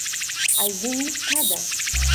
Азин изҭада.